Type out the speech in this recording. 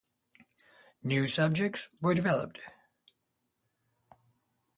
New subjects were developed.